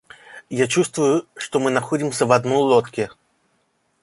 Я чувствую, что мы находимся в одной лодке.